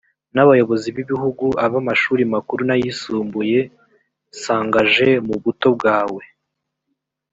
n abayobozi b igihugu ab amashuri makuru n ayisumbuye s engage mu buto bwawe